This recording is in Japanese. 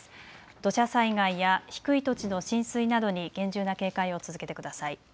土砂災害や低い土地の浸水などに厳重な警戒を続けてください。